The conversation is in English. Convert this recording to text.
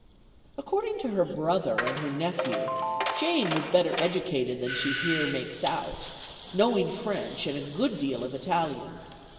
According to her brother and her nephew, Jane was better educated than she here makes out, knowing French, and a good deal of Italian.